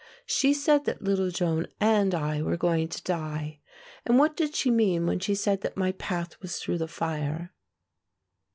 She said that little Joan and I were going to die, and what did she mean when she said that my path was through the fire?"